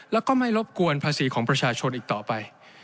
แล้วก็ไม่รบกวนภาษีของประชาชนอีกต่อไป